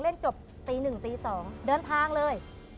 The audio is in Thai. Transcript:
เล่นจบตีหนึ่งตีสองเดินทางเลย